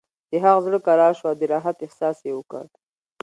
د هغه زړه کرار شو او د راحت احساس یې وکړ